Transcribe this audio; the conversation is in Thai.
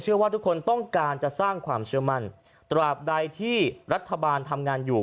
ว่าทุกคนต้องการจะสร้างความเชื่อมั่นตราบใดที่รัฐบาลทำงานอยู่